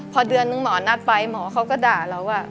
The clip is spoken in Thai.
พอเดือนนึงหมอนัดไปหมอเขาก็ด่าเราว่า